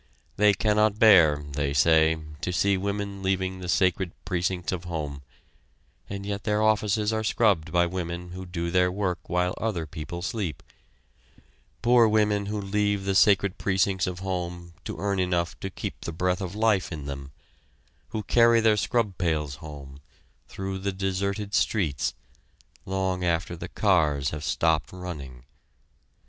They cannot bear, they say, to see women leaving the sacred precincts of home and yet their offices are scrubbed by women who do their work while other people sleep poor women who leave the sacred precincts of home to earn enough to keep the breath of life in them, who carry their scrub pails home, through the deserted streets, long after the cars have stopped running.